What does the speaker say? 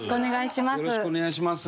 よろしくお願いします。